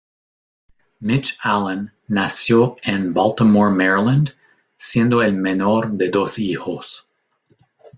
Mitch Allan nació en Baltimore, Maryland, siendo el menor de dos hijos.